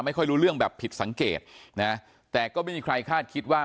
ไม่รู้เรื่องแบบผิดสังเกตนะแต่ก็ไม่มีใครคาดคิดว่า